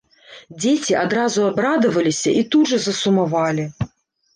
Дзеці адразу абрадаваліся і тут жа засумавалі.